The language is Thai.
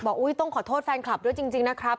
ต้องขอโทษแฟนคลับด้วยจริงนะครับ